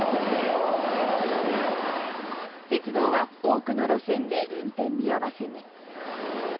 鉄道は多くの路線で運転見合わせに。